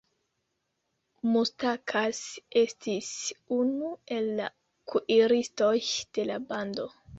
Mustakas estis unu el la kuiristoj de la bando.